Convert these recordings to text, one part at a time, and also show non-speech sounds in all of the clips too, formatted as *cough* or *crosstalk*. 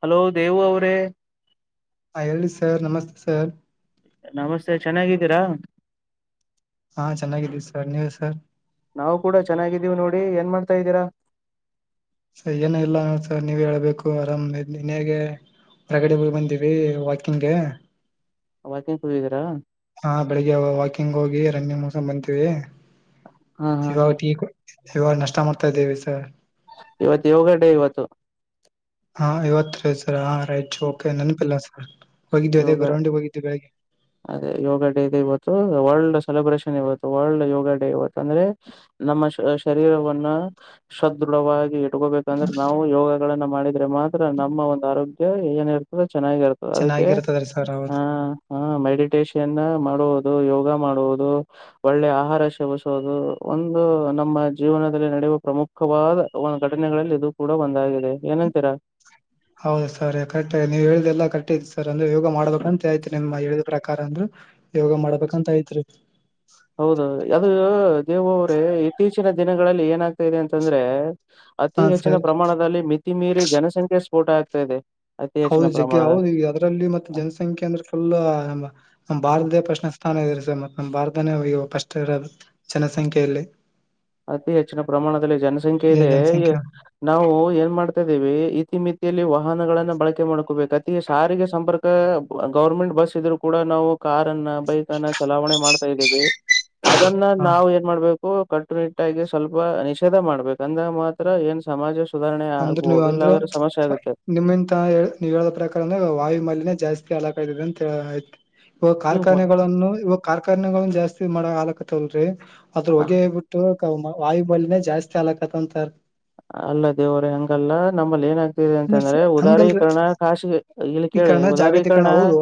Hello Devu ಅವ್ರೇ. ಹಾ ಎಿ ಸರ್ ನಮಸ್ತೆ ಸರ್. ನಮಸ್ತೆ ಚೆನ್ನಾಗಿದ್ದೀರಾ. ಹಾ ಚೆನ್ನಾಗಿದೀವಿ ಸರ್ ನೀವ ಸರ್. ನಾವು ಕೂಡ ಚೆನ್ನಾಗಿದ್ದೀ್ ನೋಡಿ ಏನ್ ಮಾ ತ ಇದ್ದೀರಾ ಸರ್ ಏನ ಇಲ್ಲ ಸರ್ ನೀವ ಹೇಳ್ಬೇಕು ಆರಾಮ್ ನಿನಗೆ ಹೊರಗಡೆ ಬಂದಿವವಿ ವಾಕಿಂಗ್ಗೆ ಅವಕ ನ್ ಕುದಿದೀರಾ. ಹಾ ಬೆಳಿಗ್ಗೆ ವಾಕಿಂಗ್ ಹೋಗಿ ರನ್ನಿಂಗ್ ಮೋಸಮು ಬಂತೀವಿ ಹಾ ಹಾ ಶ ಹಾ ಟಿ ಕು *unintelligible* ಇವಾಗ ನಾಷ್ಟ ಮಾಡ್ತಾ ಇದಿವಿ ಸರ್ ಇವತ್ತ ಯೋಗ ಡೆ ಇವತ್ತು ಹಾ ಇವತ್ ರೀ ಸರ ಇಟ್ಸ್ ಓಕೆ ನೆನಪಿಲ್ಲ ಸರ್ ಹೋಗಿದ್ವಿ ಅದೇ ಯೋಗ ಗ್ರೌಂಡ್ಿಗೆ ಹೋಗಿದ್ವಿ ಬೆಳಗ್ಗೆ ಅದೇ ಯೋಗ ಡೇ ಇದೆ ಇವತ್ತು ವರ್ಲ್ಡ್ ಸೆಲೆಬ್ರೇಷನ್ ಇವತ್ತು ವರ್ಲ್ಡ್ ಯೋಗ ಡೇ ಇವತ್ತು ಅಂದ್ರೆ ನಮ್ಮ ಶರೀರವನ್ನ ಸದೃಢವಾಗಿ ಟೊ ಬೇಕಂದ್ರ ನಾವು ಯೋಗ ಗಳನ್ನು ಮಾಡ ಆದ್ರೆ ಮಾತ್ರ ನಮ್ಮ ಒಂದ ಆರೋಗ್ಯ ಎ ಏನ್ ಹೇಳ್ತ ಚೆನ್ನಾಗಿರ್ತದೆ ಅದಕ್ಕೆ ಚೆನ್ನಾಗಿರ್ತದ್ರೀ ಸರ್ ಹ. ಹೌದು ಮೆಡಿಟೇಷನ್ ಮಾಡುವುದು ಯೋಗ ಮಾಡುವುದು ಒಳ್ಳೆ ಆಹಾರ ಶವಿಸುವೋುದು ಒಂದು ನಮ್ಮ ಜೀವನದಲ್ಲಿ ನಡೆಯುವ ಪ್ರಮುಖವಾದ ಒ ಘಟನೆಗಳಲ್ಲಿ ಇದು ಕೂಡ ಒಂದಾಗಿದೆ ಏನಂತೀರಾ. ಹೌದ ಸರ್ ಕರೆಕ್ ನೀ್ ಹೇಳ್ದಲ್ಲಾ ಕರೆಟ್ ಐತಿ ಸರ್ ಅಂದ್ರೆ ಯೋಗ ಮಾಡಬೇ ಅಂತೆ ಆಯತ್ ನಿಮ್ಮ ಹೇಳ *unintelligible* ಪ್ರಕಾರ ಅಂದ್ರರ್ ಯೋಗ ಮಾಡ್ಬೇಕಂತ ಐತ್ರಿ *unintelligible* ಹೌದ ಅದು ದೇವು ಅವ್ರೇ ಇತ್ತೀಚಿನ ದಿನಗಳಲ್ಲಿ ಏನಾಗ್ತಾ ಇದೆ ಅಂದ್ರೆ ಅತಿ ಹಾ ಸರ್ ಹೆಚ್ಚಿನ ಪ್ರಮಾಣದಲ್ಲಿ ಮಿ *unintelligible* *unintelligible* ತಿ ಮೀರಿ ಜನಸಂಖ್ಯೆ ಸ್ಫೋಟ ಆಗ್ತಾ ಇದೆ ಅತಿ ಹೌದು ಹೆಚ್ಚಿನ ಜಗ್ಗೆ ಹೌದು ಪ್ರಮಾಣದಲ್ಲಿ ಈಗ ಅದ್ರಲ್ಲಿ ಮತ್ತ ಜನಸಂಖ್ಯೆ ಅಂದ್ರೆ ಫುಲ್ ನಮ್ ಭಾರತ ದ ಪ್ರಶ್ನ ಸ್ಥಾನ ಇದೆರಿ ಸರ್ ಮತ್ತ ನ ಭಾರತ ಅವ ಫಸ್ಟ್ ಇರ ಜನಸಂಖ್ಯೆಯಲ್ಲಿ ಅತಿ ಹೆಚ್ಚಿನ ಪ್ರಮಾಣದಲ್ಲಿ ಜನಸಂಖ್ಯೆ ಜ- ಇದೆ ಜನಸಂಖ್ಯೆ ನಾವು ಏನ್ ಮಾಡ್ತ. *unintelligible* ತ ಇದ ಇತಿಮಿತಿಯಲ್ಲಿ ವಾಹನಗಳನ್ನ ಬಳಕೆ ಮಾಡ್ಕೋಬೇಕು ಅತಿ ಸಾರಿಗೆ ಸಂಪರ್ಕ ಗವರ್ಮೆಂಟ್ ಬಸ್ ಇದ್ರು ಕೂಡ ನಾವು ಕಾರ ಅನ್ನ ಬೈಕ್ ಅನ್ನ ಚಲಾವಣೆ ಮಾಡ್ತಾ ಇದ್ದೇವೆ ಹಾಗನ್ನ ಹ ನಾ ಏನ್ ಮಾಡ್ಬೇಕು. ಹೂಂ ಕಂಡ್ರಿ *inaudible* ಸ್ವಲ್ಪ ನಿಷೇಧ ಮಾಡ್ಬೇಕ ಅಂದ್ರ ಮಾತ್ರ ಏನ್ ಸಮಾಜ ಸುಧಾರಣೆ ಅಂದ್ರೆ ನೀವು ಆಗ್ಬಹುದು ಅಂದ್ರೆ ಇಲ್ಲಾಂದ್ರೆ ಸಮಸ್ಯೆ ಆಗುತ್ತೆ ನಿಮ್ಮಂತ ನೀವ್ ಹೇಳದ ಪ್ರಕಾರಂದ್ರೆ ವಾಯು ಮಾಲಿನ ಜಾಸ್ತಿ ಹಲಾಕ್ ಆ *unintelligible* ಅಂತ ಹೇಳ ಆಯ್ತು. ಇವಾಗ ಕಾರ್ಖಾನೆಗಳನ್ನು ಇವಾಗಾರ್ *unintelligible* ಕನ್ಯಗಳು ಜಾಸ್ತಿ ಮಾಡ ಆಲಕತ್ತವಲ್ರಿ *unintelligible* ಅದ್ರ ಹೊಗೆಬಿಟ್ಟು. ವಾಯು ಬಳಿನೇ ಜಾಸ್ತಿ ಅಲ್ಲಕತಾಂತ ಅಲ್ಲ *unintelligible* ದೇವ್ರ ಹಂಗಲ್ಲ ನಮ್ಮಲ್ಲಿ ಏನಾಗ್ತಿದೆ ಅಂದ್ರೆ ಅಂತಂದ್ರೆ ಸರ್ ಹಂಗಲ್ರಿ ಉದಾರೀಕರಣ ಖಾಾಸಿಗೆ ಇಲ್ಲಿ ಈ ಕೇಳಿ ಕಾರಣ ಜಾಗತೀಕರಣ ಉದಾರೀಕರಣ ಹೌದು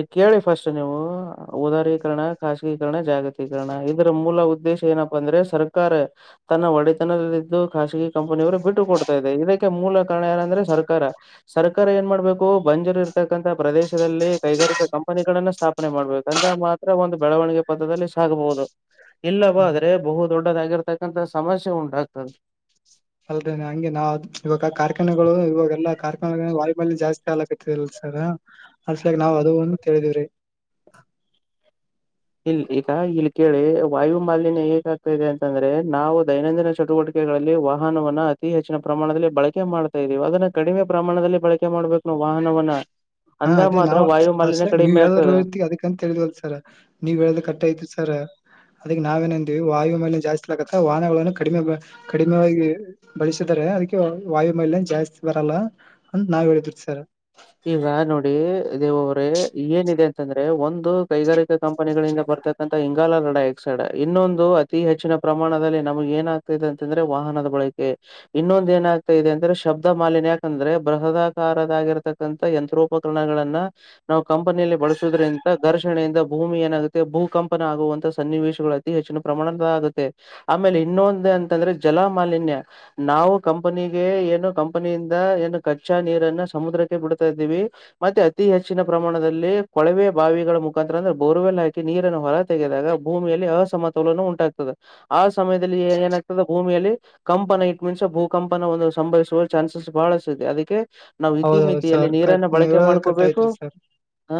ಇ *unintelligible* ಕೇಳಿ ಫಸ್ಟ್ ನೀವು ದಾರೀಕರಣ ಖಾಸಗೀಕರಣ ಜಾಗತೀಕರಣ ಇದರ ಮೂಲ ಉದ್ದೇಶ ಏನಪ್ಪಾ ಅಂದ್ರೆ ಸರ್ಕಾರ ತನ್ನ ಒಡೆತನದಲ್ಲಿದ್ದು ಖಾಸಗಿ ಕಂಪನಿಯವರು ಬಿಟ್ಟು ಕೊಡ್ತಾ ಇದೆ ಇದಕ್ಕೆ ಮೂಲ ಕಾರಣ ಯಏಾರಂದ್ರೆ ಸರ್ಕಾರ ಸರ್ಕಾರ ಏನ್ ಮಾಡ್ಬೇಕು ಬಂಜರ್ ಇರ್ತಕ್ಕಂತಥ ಪ್ರದೇಶದಲ್ಲಿ ಕೈಗಾರಿಕಾ ಕಂಪನಿಗಳನ್ನ ಸ್ಥಾಪನೆ ಮಾಡ್ಬೇಕು ಅಂದ್ರ ಮಾತ್ರ ಒಂದು ಬೆಳವಣಿಗೆ ಪಥದಲ್ಲಿ ಸಾಗಬಹುದು. ಇಲ್ಲವ ಹ ಆದ್ರೆ ಬಹು. ದೊಡ್ಡದಾಗಿರ್ತಕ್ಕಂತ ಸಮಸ್ಯೆ ಉಂಟಾಗ್ತದ ಅಲ್ದೇ ಹಂಗೆ ನಾ ಇವಾಗ ಕಾರ್ಖಾನೆಗಳು ಇವಾಗೆಲ್ಲಾರ್. *inaudible* ವಾಯುಮಾಲಿನ್ಯ ಜಾಸ್ತಿ ಆಕ್ತರಲ್ಲ *unintelligible* ಸರ ಅಸ್ಲಕ್ ನಾವ್ ಅದು ಒಂದು ತಿಳಿದಿವವ್ರಿ ಇಲ್ ಈಗ ಇಲ್ಲಿ ಕೇಳಿ ವಾಯು ಮಾಲಿನ್ಯ ಹೇಗಾಗ್ತಾ ಇದೆ ಅಂತಂದ್ರೆ ನಾವು ದೈನಂದಿನ ಚಟುವಟಿಕೆಗಳಲ್ಲಿ ವಾಹನವನ್ನ ಅತಿ ಹೆಚ್ಚಿನ ಪ್ರಮಾಣದಲ್ಲಿ ಬಳಕೆ ಮಾಡ್ತಾ ಇದ್ದೀವಿ ಅದನ್ನ ಕಡಿಮೆ ಪ್ರಮಾಣದಲ್ಲಿ ಬಳಕೆ ಮಾಡ್ಬೇಕನ್ನೋ ವಾಹನವನ್ನ ಹಾ ಅಂದ ಅದೇ ಮಾತ್ರ ನಾವ್ ವಾಯು ಅ ಮಾಲಿನ್ಯ ನೀವ್ ಕಡಿಮೆ ಹೇಳ್ರು ಆಗ್ತದೆ. ಇರ್ತಿ ಅದಿ ಅಂತ ತಿ *unintelligible* ಹೇಳಿದ್ವಲ್ಸರ. ನೀವ್ ಹೇಳದು ಕಟ್ಟಯತಿರಿ ಸರ್ ಅದಕ್ಕೆ ನಾವೇನಂದಿವವಿ ವಾಯು ಮಲ್ಯ ಜಾಸ್ತಿಲಕತ್ತ ವಾಹನಗಳನ್ನು ಕಡಿಮೆ ಕಡಿಮೆಾಗಿ ಬಳಸಿದರೆ ಅದಕ್ಕೆ ವಾಯುಮಲ್ಯ ಜಾಸ್ತಿ ಬರಲ್ಲ ಅಂತ ನಾವ್ ಹೇಳಿದವಿ ಸರ್ ಈಗ ನೋಡಿ ದೇವ ಅವ್ರೆ ಏನಿದೆ ಅಂತಂದ್ರೆ ಒಂದ. *unintelligible* ತು ಕೈಗಾರಿಕಾ ಕಂಪನಿಗಳಿಂದ ಬರ್ತಕ್ಕಂತಥ ಇಂಗಾಲರ ಡೈ ಆಕ್ಸೈಡ್ ಇನ್ನೊಂದು ಅತಿ ಹೆಚ್ಚಿನ ಪ್ರಮಾಣದಲ್ಲಿ ನಮಗೆ ಏನಾಗಗ್ತಾದೆ ಅಂತಂದ್ರೆ ವಾಹನದ ಬಳಕೆ ಇನ್ನೊಂದ ಏನಾಗ್ತಾ ಇದೆ ಅಂದ್ರೆ ಶಬ್ದ ಮಾಲಿನ್ಯ ಯಾಕಂದ್ರೆ ಬೃಹದಾಕಾರದಾಗಿರತ ಯಂತ್ರೋಪಕರಣಗಳನ್ನ ನಾವು ಕಂಪನಿಯಲ್ಲಿ ಬಳಸುದ್ರಿಂದ ಘರ್ಷಣೆಯಿಂದ ಭೂಮಿ ಏನಾಗುತ್ತೆ ಭೂಕಂಪನ ಆಗುವಂತ ಸನ್ನಿವೇಶಗಳು ಅತಿ ಹೆಚ್ಚಿನ ಪ್ರಮಾಣದ ಆಗುತ್ತೆ ಆಮೇಲೆ ಇನ್ನೊಂದು ಅಂತಂದ್ರೆ ಜಲ ಮಾಾಲನ್ಯ ನಾವು ಕಂಪನಿಗೆ ಏನು ಕಂಪನಿಯಿಂದ ಏನು ಕಚ್ಚಾ ನೀರನ್ನ ಸಮುದ್ರಕ್ಕೆ. ಬಿಡ್ತಾ ಇದೀವಿ ಮತ್ತೆ ಅತಿ ಹೆಚ್ಚಿನ ಪ್ರಮಾಣದಲ್ಲಿ ಕೊಳವೆ ಬಾವಿಗಳ ಮುಖಾರ ಅಂದ್ರೆ ಬೋರ್ವೆಲ್ ಹಾಕಿ ನೀರನ್ನು ಹೊರ ತೆಗೆದಾಗ ಭೂಮಿಯಲ್ಲಿ ಅಸಮತೋಲನ ಉಂಟಾಗ್ತದೆ ಆ ಸಮಯದಲ್ಲಿ ಏನಾಗ್ತದೆ ಭೂಮಿಯಲ್ಲಿ ಕಂಪನ ಇಟ್ ಮೀನ್ಸ್ ಭೂಕಂಪನ ಒಂದು ಸಂಭರಿಸುವ ಚಾನ್ಸಸ್ ಬಹಳಿದೆ ಅದಕ್ಕೆ. ಇತಿ ಹೌದೌದು ಮಿತಿಯಲ್ಲಿ ಸರ್ ಕಟ್ ನೀರನ್ನು ನೀವ್ ಬಳಕೆ ಹೇಳೋದು ಕಟ್ ಮಾಡ್ಕೋಬೇಕು ಐತ್ರಿ ಸರ್ ಹ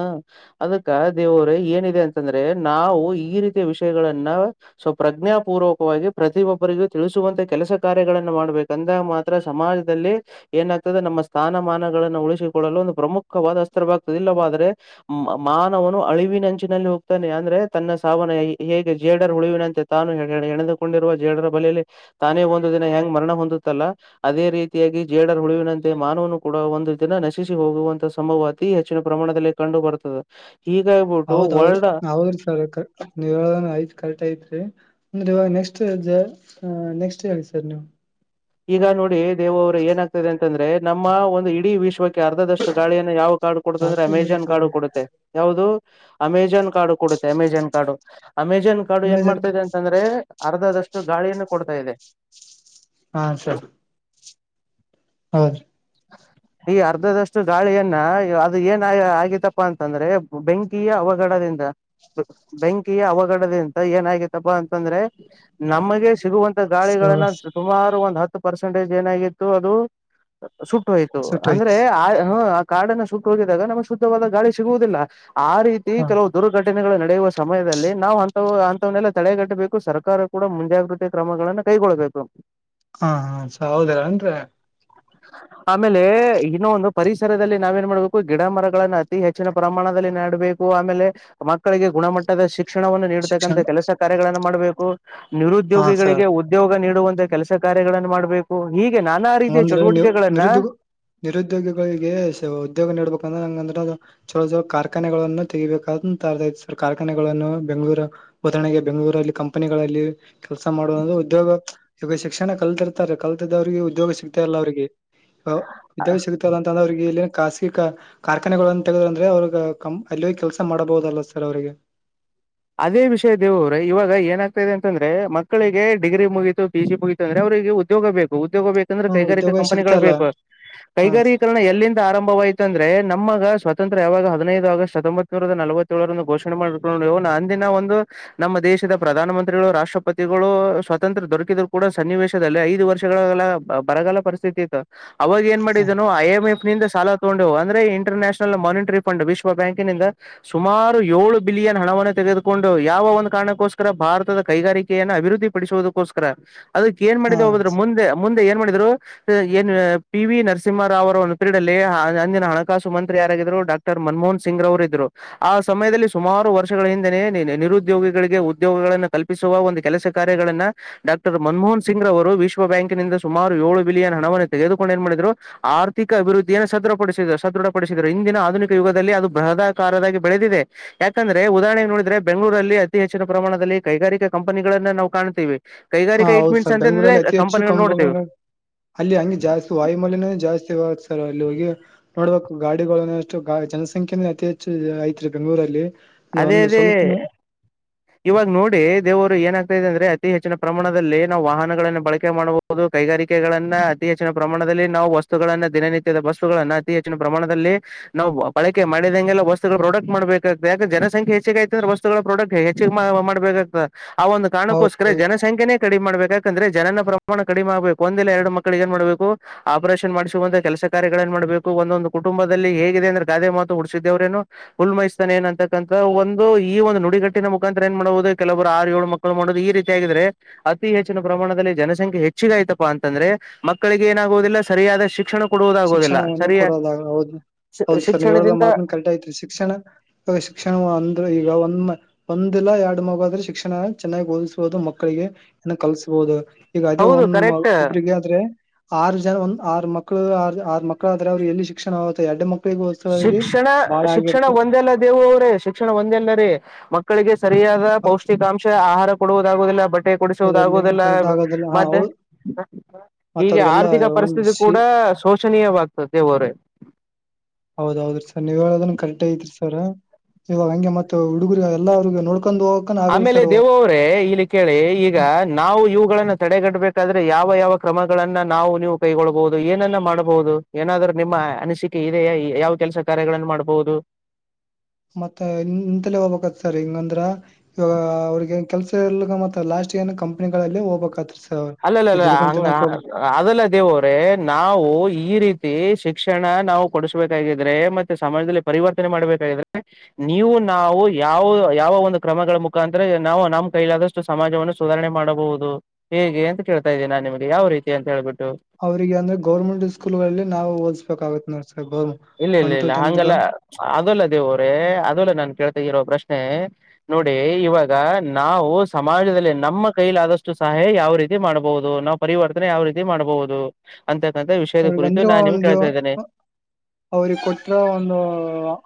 ಅದಕ್ಕ ದೇವರು ಏನಿದೆ ಅಂತಂದ್ರೆ ನಾವು ಈ ರೀತಿಯ ವಿಷಯಗಳನ್ನ ಸ್ವಪ್ರಜ್ಞಾಪೂರ್ವಕವಾಗಿ ಪ್ರತಿಯೊಬ್ಬರಿಗೂ ತಿಳಿಸುವಂತೆ ಕೆಲಸ ಕಾರ್ಯಗಳನ್ನ ಮಾಡ್ಬೇಕು ಅಂದಾಗ ಮಾತ್ರ ಸಮಾಜದಲ್ಲಿ ಏನಾಗ್ತದೆ ನಮ್ಮ ಸ್ಥಾನಮಾನ *inaudible* ಉಳಿಸಿಕೊಳ್ಳಲು ಒಂದು ಪ್ರಮುಖವಾದ ಅಸ್ತ್ರವಾಗ್ತದ ಇಿಲ್ಲವಾದ್ರೆ ಮಾನವನು ಅಳಿವಿನಂಚಿನಲ್ಲಿ ಹೋಗ್ತಾನೆ ಅಂದ್ರೆ ತನ್ನ ಸಾವನ ಹೇಗೆ ಜೇಡರ್ ಹುಳಿವಿನಂತೆ ತಾನು ಹೆಣೆದುಕೊಂಡಿರುವ ಜೇಡರ ಬಲೆಯಲ್ಲಿ ತಾನೇ ಒಂದು ದಿನ ಹೆಂಗ್ ಮರಣ ಹೊಂದುತ್ತಲ್ಲ ಅದೇ ರೀತಿಯಾಗಿ ಜೇಡರ್ ಹುಳಿವಿನಂತೆ ಮಾನವನು ಕೂಡ ಒಂದು ದಿನ ನಶಿಸಿ ಹೋಗುವಂತ ಸಂಭವ ಅತಿ ಹೆಚ್ಚಿನ ಪ್ರಮಾಣದಲ್ಲಿ ಕಂಡು ಬರ್ತದೆ. ಹೌದ್ಹೌದ ಹೌದ್ರಿ ಸರ್ ನೀವ್ ಐತ್ ಕರೆಟ್ ಐತ್ರಿ. ಅಂದ್ರೆ ಇವಾಗ ನೆಕ್ಸ್ಟ್ ನೆಕ್ಸ್ಟ್ ಹೇಳಿ ಸರ್ ನೀವು. ಈಗ ನೋಡಿ ದೇವು ಅವ್ರೆ ಏನಾಗ್ತಿದೆ ಅಂದ್ರ ನಮ್ಮ ಒಂದು ಇಡೀ ವಿಶ್ವಕ್ಕೆ ಅರ್ಧದಷ್ಟು ಗಾಳಿಯನ್ನು ಯಾವ ಕಾಡು ಕೊಡತ ಅಂದ್ರೆ ಅಮೆಜಾನ್ ಕಾಡು ಕೊಡುತ್ತೆ ಯಾವುದು. ಅಮೆಜಾನ್ ಕಾಡು ಕೊಡುತ್ತ ಅಮೆಜಾನ್ ಕಾಡು ಅಮೆಜಾನ್ ಕಾರ್ಡು ಏನ್ ಮಾಡ್ತಿದೆ ಅಂತಂದ್ರೆ ಅರ್ಧದಷ್ಟು ಗಾಳಿಯನ್ನು ಕೊಡ್ತಾ ಇದೆ ಹಾ ಸರ್. ಹೌ. ಈ ಅರ್ಧದಷ್ಟು ಗಾಳಿಯನ್ನ ಅದು ಏನ ಆಗಿತಪ್ಪಾ ಅಂತಂದ್ರೆ ಬೆಂಕಿಯ ಅವಘಡದಿಂದ ಬೆಂಕಿಯ ಅವಘಡದಿಂದ ಏನಗಿತಪ್ಪಾ ಅಂತಂದ್ರೆ. ನಮಗೆ ಸಿಗುವಂತ ಗಾಳಿಗಳನ್ನ ಸುಮಾರು ಒ ಹತ್ತು ಪರ್ಸೆಂಟೇಜ್ ಏನಾಗಿತ್ತು ಅದು ಸುಟ್ಟು ಹೊಯ್ತು ಅಂದ್ರೆ ಸುಟ್ಟೋಯ್ತ್ ಆ ಕಾಡನ್ನ ಸುಟ್ಟು ಹೋಗಿದಾಗ ನಮ್ಗೆ ಶುದ್ಧವಾದ ಗಾಳಿ ಸಿಗುವುದಿಲ್ಲ ಆ ರೀತಿ ಹಾ ಕೆಲವು ದುರ್ಘಟನೆ ಘಟನೆಗಳು ನಡೆಯುವ ಸಮಯದಲ್ಲಿ ನಾವು ಅಂತ ಅಂತವನ್ನೆಲ್ಲ ತಡೆಗಟ್ಟಬೇಕು ಸರ್ಕಾರ ಕೂಡ ಮುಂಜಾಗೃತಿ ಕ್ರಮಗಳಗಳನ್ನು ಕೈಗೊಳ್ಬೇಕು ಹಾ ಹ ಹೌದೆನ್ರಿ ಆಮೇಲೆ ಇನ್ನ ಒಂದು ಪರಿಸರದಲ್ಲಿ ನಾವೇನ್ ಮಾಡ್ಬೇಕು ಗಿಡ ಮರಗಳನ್ನ ಅತಿ ಹೆಚ್ಚಿನ ಪ್ರಮಾಣದಲ್ಲಿ ನಾಡಬೇಕು ಆಮೇಲೆ ಮಕ್ಕಳಿಗೆ ಗುಣಮಟ್ಟದ ಶಿಕ್ಷೆ ಶಿಕ್ಷಣವನ್ನು ಶಿಕ್ಷಣ ನೀತಕ್ಕಂಥ ಕೆಲಸ ಕಾರ್ಯಗಳನ್ನು ಮಾಡಬೇಕು ಹಾ ಸರ್ ನಿರುದ್ಯೋಗಿಗಳಿಗೆ ಉದ್ಯೋಗ ನೀಡ ಮಾಡುವಂತ ಕೆಲಸ ಕಾರ್ಯಗಳನ್ನು ಮಾಡ್ಬೇಕು ಹೀಗೆ ನಾನ್ ಆ ರೀತಿ ಅಂದ್ರೆ ನೀವು ನಿರುದ್ಯೋಗ ನಿರುದ್ಯೋಗಿಗಳಿಗೆ ಉದ್ಯೋಗ ನೀಡಡ್ಬೇಕಂದ್ರೆ ನಂಗಂದ್ರ ಚೊಲ ಚ ಕಾರ್ಖಾನೆಗಳನ್ನು ತೆಗಿಬೇಕಂತ ಕಾರ್ಖಾನೆಗಳನ್ನು ಬೆಂಗಗಳೂರು ಉದರಣೆಗೆ ಬೆಂಗಳೂರಲ್ಲಿ ಕಂಪನಿಗಳಲ್ಲಿ ಕೆಲಸ ಮಾಡುವ ಉದ್ಯೋಗ ಇಾಗ ಶಿಕ್ಷಣ ಕಲ್ತಿ ಇರ್ತಾರೆ ಕಲ್ತಿದ್ದವರಿಗೆ ಉದ್ಯೋಗ ಸಿಗ್ತಾ ಇಲ್ಲ ಅವರಿಗೆ ವಿದ ಸಿಗುತ್ತಲ್ಲಂತಂದ ಅವರಿಗೆಲ್ಲಿ ಖಾಸಗಿ ಕಾರ್ಖಾನೆಗಳಂತ ತೆಗೆ ಅಂದ್ರೆ ಅವ್ರಗ ಕ ಅಲ್ಲಿಯ ಕೆಲಸ ಮಾಡಬಹುದಲ್ಲ ಸರ್ ಅವ್ರರಿಗೆ ಅದೇ ವಿಷಯ ದೇವ್ರ ಇವಾಗ ಏನಾಗ್ತಾ ಇದೆ ಅಂತಂದ್ರೆ ಮಕ್ಕಳಿಗೆ ಡಿಗ್ರಿ ಮುಗೀತು ಪಿ ಜಿ ಮುಗತು ಅಂದ್ರೆ ಅವ್ರಿಗೆರಿಗೆ ಉದ್ಯೋಗ ಬೇಕು. ಉದ್ಯೋಗ ಬೇಕಂದ್ರೆ ಹ್ಮ ಕೈಗಾರಿಕಾ ಉದ್ಯೋಗ ಸಿಗ್ತಾ ಕಂಪನಿಗಳು ಇಲ್ಲ ಬೇಕು ಹ ಕೈಗಾರೀಕರಣ ಎಲ್ಲಿಂದ ಆರಂಭ ಆಯತಂದ್ರೆ ನಮ್ಮಗ ಸ್ವಾತಂತ್ರ್ಯ ಯಾವಾಗ ಹದಿನೈದು ಆಗಸ್ಟ್ ಹತ್ತೊಂಬತ್ೂರ ನಲವತ್ತೇಳರನ್ನು ಘೋಷೆ ಮಾಡ್ಕೊಂಡು ನ ದಿನ ಒಂದು ನಮ್ಮ ದೇಶದ ಪ್ರಧಾನ ಮಂತ್ರಿಗಳು ರಾಷ್ಟ್ರಪತಿಗಳು ಸ್ವಾತಂತ್ರ ದೊರಕಿದ್ರು ಕೂಡ ಸನ್ನಿವೇಶದಲ್ಲಿ ಐದು ವರ್ಷಗಳ ಬರಗಲ್ಲ ಪರಿಸ್ಥಿತಿ ಇತ್ತು ಅವಾಗ ಏನ್ ಮಾಡಿದನು ಐ ಎಂ ಎ. ಂದ ಸಾಲ ತಗೊಂಡವು ಅಂದ್ರೆ ಇಂಟರ್ ನ್ಯಾಷನಲ್ ಮಾನಿಟರಿ ಫಂಡ್ ವಿಶ್ವ ಬ್ಯಾಂಕ್ಿಂದ ಸುಮಾರು ಏಳು ಬಿಲಿಯನ್ ಹಣವನ್ನು ತೆಗೆದು ಕೊಂಡು ಯಾವ ಒಂದ ಕಾರಣಕ್ಕೋಸ್ಕರ ಭಾರತದ ಕೈಗಾರಿಕೆಯನ್ನು ಅಭಿವೃದ್ಧಿ ಪಡಿಸುವುದಕ್ಕೋಸ್ಕರ. ಅದಕ್ ನ್ ಹ ಮಾಡಿದ ಹದ್ರ ಮುಂದೆ. ಮುಂದೆ ಏನ್ ಮಾಡಿದರು ಏನ್ ಪಿ ವಿ ನರಸಿಂಹರಾವ್ ಅವರ ಪ್ರಡಲ್ಲಿ ಅಂದಿನ ಹಣಕಾಸು ಮಂತ್ರಿ ಯಾರಾಗ್ರು ಡಾಕ್ರ್ ಮನಮೋಹನ್ ಸಿಂಗ್ ರವರು ಇದ್ರು ಆ ಸಮಯದಲ್ಲಿ ಸುಮಾರು ವರ್ಷಗಳ ಹಿಂದೆನೆ ನಿರುದ್ಯೋಗಿಗಳಿಗೆ ಉದ್ಯೋಗಗಳನ್ನ ಕಲ್ಪಿಸುವ ಒಂದು ಕೆಲಸ ಕಾರ್ಯಗಳನ್ನ ಡಾಕ್ಟರ್ ಮನಮೋಹನ್ ಸಿಂಗ್ ರ ಅವರು ವಿಶ್ವ ಬ್ಯಾಂಕಿನಿಂದ ಸುಮಾರು ಏಳು ಬಿಲಿಯನ್ ಹಣವನ್ನು ತೆಗೆದುಕೊಂಡು ಏನ್ ಮಾಡಿದ್ರು ಆರ್ಥಿಕ ಅಭಿವೃದ್ಧಿಯನ್ನು ಸದೃಢಪಡಿಸ ಸದೃಢಪಡಿಸಿದ್ರು ಇಂದಿನ ಆಧುನಿಕ ಯುಗದಲ್ಲಿ ಅದು ಬೃಹದಕಾರಾಗಿ ಬೆಳೆದಿದೆ ಯಾಕಂದ್ರೆ ಉದಹರಣೆ ನೋಡಿದ್ರೆ. ಬೆಂಗಳೂರಲ್ಲಿ ಅತಿ ಹೆಚ್ಚಿನ ಪ್ರಮಾಣದಲ್ಲಿ ಕೈಗಾರಿಕಾ ಕಂಪನಿಗಳನ್ನ ನಾವು ಕಾಣ್ತೀವಿ ಹ ಕೈಗಾರಿಕಾ ಇಟ್ ಹೌದು ಮೀನ್ಸ್ ಸರ್ ಅಂತಂದ್ರೆ ಬೆಂಗ್ಗಳೂರಲ್ಲಿ ಅತಿ ಹೆಚ್ಚು ಕಂಪನಿಗಳು ನೋಡ್ತೇವೆ *unintelligible* ಅಲ್ಲಿ ಹಂಗೆ ಜಾಸ್ತಿ ವಾಯುಮಲ್ಯನ ಜಾಸ್ತಿ ಸರ್ ಅಲ್ಲಿ ಹೋಗಿ ನೋಡ್ಬೇಕು ಗಾಡಿಗಳ ಅಷ್ಟು ಗ ಜನಸಂಖ್ಯೆನ ಅತಿ ಹೆಚ್ಚು ಐತ್ ರರಿ ಬೆಂಗಳೂರಲ್ಲಿ ಅದೇ ಒಂದು ಅದೇ ಸ್ವಲ್ಪನು ಇವಾಗ ನೋಡಿ ದೇವರು ಏನ ಆಾಗ್ತಾದೆ ಅಂದ್ರೆ ಅತಿ ಹೆಚ್ಚಿನ ಪ್ರಮಾಣದಲ್ಲಿ ನಾವು ವಾಹನಗಳನ್ನು ಬಳಕೆ ಮಾಡಬಹುದು ಕೈಗಾರಿಕೆಗಳನ್ನ ಅತಿ ಹೆಚ್ಚಿನ ಪ್ರಮಾಣದಲ್ಲಿ ನಾವು ವಸ್ತುಗಳನ್ನ ದಿನನಿತ್ಯದ ವಸ್ತುಗಳನ್ನ ಅತಿ ಹೆಚ್ಚಿನ ಪ್ರಮಾಣದಲ್ಲಿ ನಾವು ಬಳಕೆ ಮಾಡಿದಂಗೆಲ್ಲ ವಸ್ತುಗಳು ಪ್ರೊಡಕ್ಟ್ ಮಾಡ್ಬೇಕ ಯಾಕೆ ಜನಸಂಖೆ ಹೆಚ್ಚಗ ಆಯ್ತ ಅಂದ್ರ ವಸ್ತುಗಳ ಪ್ರೊಡಕ್ಟ್ ಹೆಚ್ಚಿಗೆ ಮಾಡ್ಬೇಕ್ತದ. ಆ ಒಂದು ಕಾರಣಕ್ಕೋಸ್ಕರ ಹೌದು ಜನಸಂಖ್ಯನೇ ಕಡಿಮೆ ಮಾಡಬೇಕಾಕಂದ್ರೆ ಜನ ಮಣ ಕಡಿಮೆ ಆಗ್ಬೇಕು ಒಂದೆಲ್ಲ ಎರಡು ಮಕ್ಕಳಿಗೆ ಏನ್ ಮಾಡ್ಬೇಕು ಆಪರೇಷನ್ ಮಾಡಿಸುವಂತ ಕೆಲಸ ಕಾರ್ಯಗಳ ಏನ್ ಮಾಡ್ಬೇಕು ಒಂದೊಂದು ಕುಟುಂಬದಲ್ಲಿ ಹೇಿದೆ ಅಂದ್ರೆ ಗಾದೆ ಮಾತು ಹುಡಸಿದೇವ್ರೇನು ಉುಲ್ಮ ಎಸ್ ಏನ್ ಅಂತಕ್ಕಂತ ಒಂದು ಈ ಒಂದು ನುಡಿಗಟ್ಟಿನ ಮುಖಾಂತರ ಏನ್ ಮಾಡಬಹುದು ಕೆಲವರು ಆರು ಏಳು ಮಕ್ಕಳು ಮಾಡುದು ಈ ರೀತಿಯಗಿದ್ರೆ ಅತಿ ಹೆಚ್ಚಿನ ಪ್ರಮಾಣದಲ್ಲಿ ಜನಸಂಖ್ಯೆ ಹೆಚ್ಚಿಗ ಆಯ್ತಪಾ ಅಂತಂದ್ರೆ ಮಕ್ಕಳಿಗೆ ಏನಾಗುವುದಿಲ್ಲ ಸರಿಯಾದ ಶಿಕ್ಷಣ ಕೊಡುವುದಾಗುವುದಿಲ್ಲ ಶಿಕ್ಷಣವನ್ನು ಸರಿಯ ಕೊಡೋದ ಹೌದು ಹೌದು ಸರ್ ನೀವಲ್ಲ ಶಿಕ್ಷಣದಿಂದ ಮಾತ್ರ ಕರೆಟ್ ಆಯತ್ರಿ ಶಿಕ್ಷಣ ಶಿಕ್ಷಣ ಅಂದ್ರ ಈಗ ಒಂದ್ ಒಂದಿಲ್ಲ ಎರಡು ಮಗಾದ್ರೆ ಶಿಕ್ಷಣ ಚೆನ್ನಾಗಿ ಓದಿಸಬಹುದು ಮಕ್ಕಳಿಗೆ ಇನ್ನು ಕಲ್ಸ್ಬಹುದು ಈಗ ಅದೇ ಹೌದು ಒಂದ್ ಕರೆಕ್ಟ್ ಒಬ್ರಗ ಆದ್ರೆ ಆರು ಜನ ಒಂದ ಆರು ಮಕ್ಕಳು ಆ ಆರ್ ಮಕ್ಕಳ ಆದ್ರ ಅವರು ಎಲ್ಲಿ ಶಿಕ್ಷಣ ಆಗುತ್ತೆ ಎಡ್ ಮಕ್ಕಳ ಶಿಕ್ಷಣ ಶಿಕ್ಷಣ ಒಂದಲ್ಲ ದೇವು ಅವ್ರೇ ಶಿಕ್ಷಣ ಒಂದೆಲ್ಲ ರೀ ಮ ಕಳಿಗೆ ಸರಿಯಾದ ಪೌಷ್ಟಿಕಾಂಶ ಆಹಾರ ಕೊಡುವುದುದಿಲ್ಲ ದಲ್ಲಿ ಕೊಡಿಸುವುದಾಗುವುದಲ್ಲ ಫಲಿತಾಗದಲ್ಲಿ ಹಾ ಮತ್ತೆ ಹೌದ್ ಮತ್ತ ಹೀಗೆ ಅವ್ರಿಗೆಲ್ಲ ಆರ್ಥಿಕ ಒಂದ್ ಪರಿಸ್ಥಿತಿ ಶಿ ಕೂಡ ಶೋಷನೀಯವಾಗ್ತದೆವರ ಹೌದೌದ್ರಿ ಸರ್ ನೀವ್ ಹೇಳದನ್ ಕರೆಕ್ಟ್ ಐತ್ರಿ ಸರ್ ಇವಾಗ ಹಂಗೆ ಮತ್ತ ಹುಡುಗರು ಎಲ್ಲ್ರಗೂ ನೋಡ್ ಆಮೇಲೆ ದೇವವ್ರೇ ಇಲ್ಲಿ ಕೇಳಿ ಈಗ ನಾವು ಇವುಗಳನ್ನ ತಡೆಗಟ್ಟಬೇಕು. ಯಾದ್ರೆ ಯಾವ ಯಾವ ಕ್ರಮಗಳನ್ನ ನಾವು ನೀವು ಕೈಗೊಳ್ಬಹುದು ಏನನ್ನ ಮಾಡ್ಬಹುದು ಏನಾದ್ರ್ೂ ನಿಮ್ಮ ಅನಿಸಿಕೆ ಇ ಯಾವ ಕೆಲಸ ಕಾರ್ಯಗಳನ್ನ ಮಾಡ್ಬಹುದು ಮತ್ತೆ ಇಂತಲೇ ಹೋಗ್ಬೇಕತ್ ಸರ್ ಹಂಗಂದ್ರ ಇವ ಅವ್ರಗ ನ್ ಕೆಲ್ಸ ಎಲ್ ಮತ್ತ ಲಾಸ್ಟ್ ಏನ ಕಂಪ್ನಿಗಳಲ್ಲಿ ಹೋಗ್ಬೇಕತ್ರಿ ಸರ್ ಅವ್ರು ಅಲ್ಲಲ್ಲ ಈ ಅಲ್ಲ ದುಡ್ಕೊಂಡ್ ಹಂಗ ತಿನ್ನಕ್ ಹೋಗ್ ಅದೆಲ್ಲ ದೇವ್ರೆ ನಾವು ಈ ರೀ ತ್ತಿ ಶಿಕ್ಷಣ ನಾವು ಕೊಡಸ್್ಬೇಕಾಗಿದ್ರೆ ಮತ್ತೆ ಸಮಾಜದಲ್ಲಿ ಪರಿವರ್ತನೆ ಮಾಡ್ಬೇಕಾಗಿದ್ರೆ ನೀವು ನಾವು ಯಾವ ಯಾವ ಒಂದು ಕ್ರಮಗಳ ಮುಖಾಂತರ ನಾವು ನಮ್ಮ್ ಕೈಲಾದಷ್ಟು ಸಮಾಜವನ್ನು ಸುಧಾರಣೆ ಮಾಡಬಹುದು ಹೇಗೆ ಅಂತೇಳ್ತ ಇದ್ದನಿ ನಿಮಗೆ ಯಾವ ರೀತಿ ಅಂತೇಳ್ಬಟ್ಟು ಅವ್ರರಿಗೆ ಅಂದ್ರ ಗರ್ಮೆಂಟ್ ಸ್ಕೂಲ್ ಗಳಲ್ಲಿ ನಾವು ಓಲ್ಸ್ಬೇಕಾಗಗತ್ ನೋಡ್ಸ. ಇಲ್ಲ ಇಲ್ಲ ಇಲ್ಲ ಹಂಗಲ್ಲ ಅದಲ್ಲ ದೇವರೇ ಅದೆಲ್ಲ ನಾನ್ ಕೇಳ್ತ ಇಿರೋ ಪ್ರಶ್ ಶ್ನೆ ನೋಡಿ ಇವಾಗ ನಾವು ಸಮಾಜದಲ್ಲಿ ನಮ್ಮ ಕೈಲ ಆದಷ್ಟು ಸಹಾಯ ಯಾವ ರೀತಿ ಮಾಡ್ಬಹುದು ನಾವವು ಪರಿವರ್ತನೆ ಯಾವ ರೀತಿ ಮಾಡ್ಬಹುದು ಅಂತ ವಿಷಯದ ಅವ್ರಿಗ ಕುರಿತು ಅಂದ್ರೆ ನಾನ್ ನಿಮ್ಗೆ ಒಂದು ಕೇಳ್ತಾ ಇದ್ದೇನೆ ಅವ್ರಿಗೆ ಕೊಟ್ರ ಒಂದು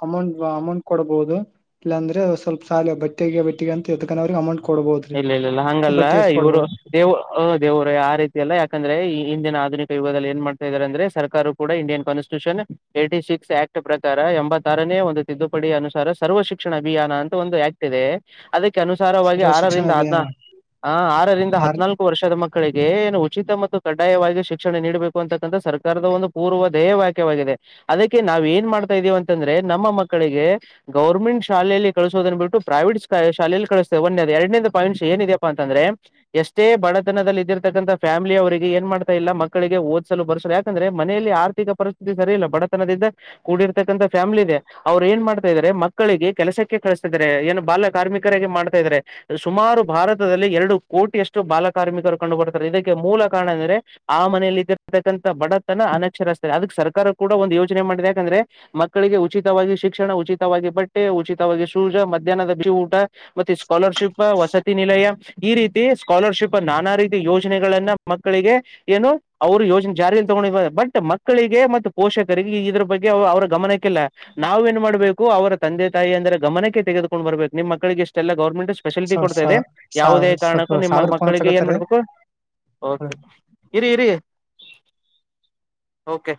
ಅಮೌಂಟ್ ಅಮೌಂಟ್ ಕೊಡಬಹುದು ಇಲ್ಲಾಂದ್ರೆ ಸ್ವಲ್ಪ ಸಾಲ ಬಟ್ಟೆಗೆ ಬಟ್ಟಿಗೆ ಅಂತ ಎದಕ ಅವ್ರಿಗೆ ಅಮೌಂಟ್ ಕೊಡ್ಬೋದ್ರಿ ಇಲ್ಲ ಇಲ್ಲ ಇಲ್ಲ ಹಂಗಲ್ಲ ಬಟ್ಟೆ ಎಸ್ ಇವರು ಕೊಡ್ಬೋದು ದೇವ ಹ ದೇವ್ರು ಆ ರೀತಿಯಲ್ಲ ಯಾಕಂದ್ರೆ ಈ ಹಿಂದಿನ ಆ ಯದಲ್ಲಿ ಏನ್ ಮಾಡ್ತಾ ಇದಾರೆ ಅಂದ್ರೆ ಸರ್ಕಾರ ಕೂಡ Indian constitution eighty six act ಪ್ರಕಾರ ಎತ್ತನ ಒಂದು ತಿದ್ದುಪಡಿ ಅನುಸಾರ ಸರ್ವ ಶಿಕ್ಷಣ ಅಭಿಯಾನ ಅಂತ ಒಂದು ಆಕ್ಟ್ ಇದೆ ಅದಕ್ಕೆ. ಅನುಸಾರವಾಗಿ ಸರ್ವ ಶಿಕ್ಷಣ ಆರೀ ಅಭಿಯಾನ ಆರರಿಂದ ಆರ್ ಹದ್ಿನಲ್ಕು ವರ್ಷದ ಮಕ್ಕಳಿಗೆ ಏನು ಉಚಿತ ಮ ಕಡ್ಡಾಯವಾಗಿ ಶಿಕ್ಷಣ ನೀಡಬೇಕು ಅಂತಕ್ಕಂಥ ಸರ್ಕಾರದ ಒಂದು ಪೂರ್ವ ದಧ್ಯೇಯ ವ್ಯಾಕ್ಯವಾಗಿದೆ ಅದಕ್ಕೆ ನಾವವು ಏನ್ ಮಾಡ್ತಾ ಇದೀವಿ ಅಂತಂದ್ರೆ ನಮ್ಮ ಮಕ್ಕಳಿಗೆ ಗೌರ್ಮೆಂಟ್ ಶಾಲೆಯಲ್ಲಿ ಕಳಿಸೋದನ್ನು ಬಿಟ್ಟು ಪ್ರೈವೇಟ್ ಶಾಲೆಯಲ್ಲಿ ಕಳಿಸ್ತೇವೆ ಒಂದೇ ಎರಡನಂದ ಪಾಯಿಂಟ್ಸ್ ಏನಿದ್ಯಪ್ಪಾ ಅಂತಂದ್ರೆ ಎಷ್ಟೇ ಬಡತನದಲ್ಲಿ ಇದ್ದಿರ್ತಕ್ಕಂಥ ಫ್ಯಾಮಿಲಿ ಅವರಿಗೆ ಏನ್ ಮಾಡ್ತಾ ಇಲ್ಲ ಮಕ್ಕಳಿಗೆ ಓದ್ಿಸಲು ಬರ್ಸಲು ಯಾಕಂದ್ರೆ ಮನೆಯಲ್ಲಿ ಆರ್ಥಿಕ ಪರಿಸ್ಥಿತಿ ಸರಿ ಇಲ್ಲ ಬಡತನದಿಂದ ಕೂಡಿರ್ತಕ್ಕಂಥ ಫ್ಯಾಮ್ಲಿ ಇದೆ ಅವ್ರು ಏನ್ ಮಾಡ್ತಾ ಇದಾರೆ ಮಕ್ಕಳಿಗೆ ಕೆಲಸಕ್ಕೆ ಕಳಿಸತಾಾರೆ ಏನ ಬಾಲ ಕಾರ್ಮಿಕರಾಗಿ ಮಾಡ್ತಾ ಇದಾರೆ ಸುಮಾರು ಭಾರತದಲ್ಲಿ ಎರಡು ಕೋಟಿಿಯಷ್ಟು ಬಾಲ ಕಾರ್ಮಿಕರು ಕಂಡು ಬರ್ತಾರೆ ಇದಕ್ಕೆ ಮೂಲ ಕಾರಣ ಅಂದ್ರೆ ಆ ಮನೆಯಲ್ಲಿ್ದಿರತಕ್ಕಂಥ ಬಡತನ ಅನಕ್ಷರಿಸಸ್ತಾರೆ ಅದಕ್ಕೆ ಸರ್ಕಾರ ಕೂಡ ಒಂದು ಯೋಚನೆ ಮಾಡಿದೆ ಯಾಕಂದ್ರೆ ಮಕ್ಕಳಿಗೆ ಉಚಿತವಾಗಿ ಶಿಕ್ಷಣ ಉಚಿತವಾಗಿ ಬಟ್ಟೆ ಉಚಿತವಾಗಿ ಶೂಜ ಮಧ್ಯಾಹ್ನದ ಬ ಊಟ ಮತ್ತೆ ಸ್ಕಾಲರ್ಶಿಪ್ ವಸತಿ ನಲೆಯ ಈ ರೀತಿ ಸ್ಕಾಲರ್ಶಿಪ್ ನಾನಾ ರೀತಿ ಯೋಜನೆಗಳನ್ನ ಮಕ್ಕಳಿಗೆ ಏನು ಅವರು ಯೋಜನೆ ಜಾರಿಯಲ್ಲಿ ತಗೊಂಡ ಬಟ್ ಮಕ್ಕಳಿಗೆ ಮ ಪೋಷಕರಿಗೆ ಇದ್ರ ಬಗ್ಗೆ ಅವರ ಗಮನಕ್ಕೆಲ್ಲ ನಾವ್ ಏನ್ ಮಾಡ್ಬೇಕು ಅವರ ತಂದೆ ತಾಯಿ ಅಂದರೆ ಗಮನಕ್ಕೆ ತೆಗೆದುಕು ಬರ್ಬೇಕು ನಿಮ್ಮ ಮಕ್ಕಳಿಗೆ ಇಷ್ಟೆಲ್ಲ ಗೌರ್ಮೆಂಟ್ ಫೆಸಿಲಿಟಿ ಸ ಕೊಡ್ತಾ ಇದೆ ಸ ಯಾವುದೇ ಕಾರಣಕ್ಕೂ ನಿಮ್ಮ ಸಾವಿರ ಫೋನ್ ಮಕ್ಕಳಿಗೆ ಏನ್ ಹಚ್ಚಕತ್ತಾರಿ. ಮಾಡ್ಬೇಕು ಇರಿ ಇರಿ ಓಕೆ